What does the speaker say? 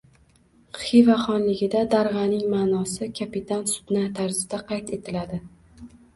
Xiva xonligida darg‘aning ma’nosi «kapitan sudna» tarzida qayd etiladi.